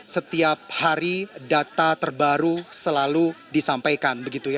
setiap hari data terbaru selalu disampaikan